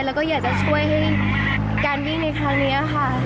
แล้วก็อยากจะช่วยให้การวิ่งในครั้งนี้ค่ะ